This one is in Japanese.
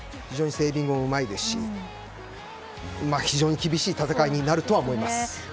セービングもうまいですし非常に厳しい戦いになるとは思います。